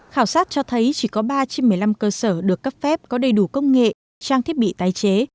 khảo sát cho thấy chỉ có ba trên một mươi năm cơ sở được cấp phép có đầy đủ công nghệ trang thiết bị tái chế